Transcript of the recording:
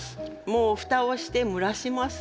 もう蓋をして蒸らします。